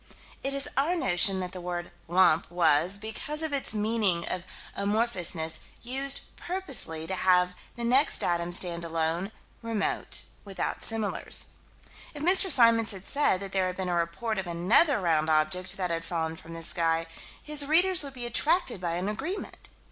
It is our notion that the word "lump" was, because of its meaning of amorphousness, used purposely to have the next datum stand alone, remote, without similars. If Mr. Symons had said that there had been a report of another round object that had fallen from the sky, his readers would be attracted by an agreement.